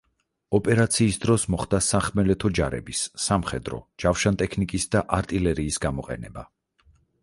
ოპერაციის დროს მოხდა სახმელეთო ჯარების, სამხედრო, ჯავშანტექნიკის და არტილერიის გამოყენება.